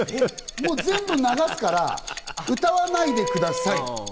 もう全部流すから、歌わないでください。